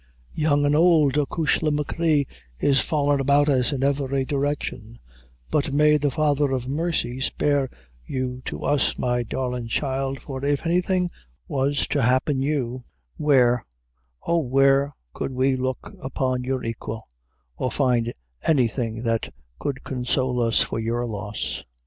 "Young and ould, achushla machree, is fallin' about us in every direction; but may the Father of Mercy spare you to us, my darlin' child, for if anything was to happen you, where Oh, where could we look upon your aiquil, or find anything that could console us for your loss?"